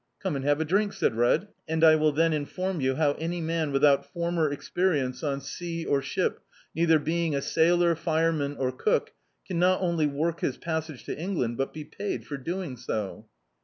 "Come and have a drink," said Red, "and I will then inform you how any man without former experience on sea or ship, neither being a sailor, fire man or cook, can not only work his passage to Eng land, but be paid for doing so."